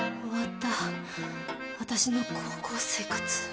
終わった私の高校生活。